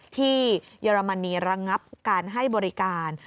เยอรมนีระงับการให้บริการ